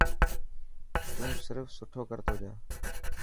تو صرف سٺو ڪرتو جا.